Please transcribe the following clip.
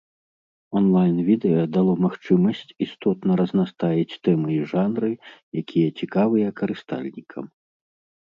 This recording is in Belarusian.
Онлайн-відэа дало магчымасць істотна разнастаіць тэмы і жанры, якія цікавыя карыстальнікам.